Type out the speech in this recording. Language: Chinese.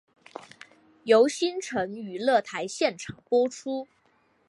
由新城娱乐台现场播出。